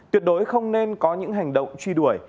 tuyệt đối không nên có những hành động truy đuổi